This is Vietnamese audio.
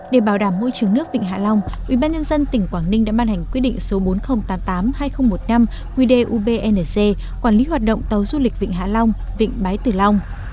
để bảo đảm môi trường nước vịnh hạ long ubnd tỉnh quảng ninh đã ban hành quyết định số bốn nghìn tám mươi tám hai nghìn một mươi năm quy đề ubnz quản lý hoạt động tàu du lịch vịnh hạ long